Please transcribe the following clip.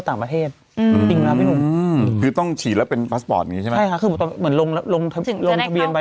ถ้าจะได้เข้าไปได้